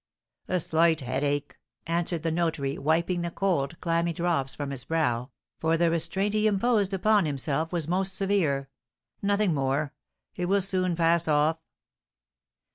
"A slight headache," answered the notary, wiping the cold, clammy drops from his brow, for the restraint he imposed upon himself was most severe, "nothing more! It will soon pass off."